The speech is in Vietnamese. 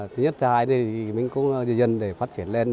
thứ nhất thứ hai thì mình cũng dân dân để phát triển lên